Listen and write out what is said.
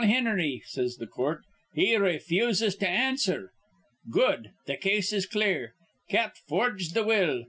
Hinnery,' says th' coort. 'He ray fuses to answer.' 'Good. Th' case is clear. Cap forged th' will.